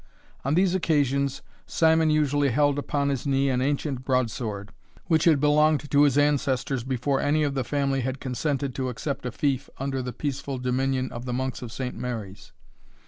On these occasions Simon usually held upon his knee an ancient broadsword, which had belonged to his ancestors before any of the family had consented to accept a fief under the peaceful dominion of the monks of St. Mary's.